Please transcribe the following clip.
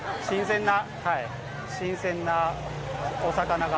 新鮮なお魚が。